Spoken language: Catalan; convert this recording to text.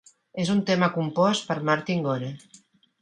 És un tema compost per Martin Gore.